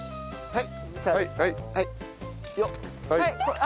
はい。